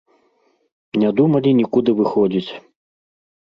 Не думалі нікуды выходзіць.